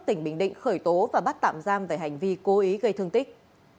tỉnh bình định khởi tố và bắt tạm giam về hành vi cố ý gây thương tích